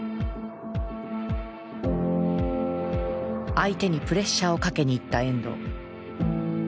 相手にプレッシャーをかけに行った遠藤。